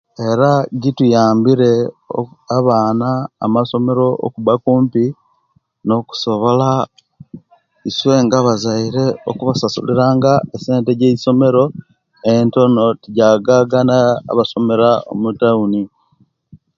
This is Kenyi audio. Era jituyambire oku abana amasomero okuba kumpi no'kusobola iswe nga abazaire okubasasulira nga esente ejje'somero entono tijagaga abasomera mu'town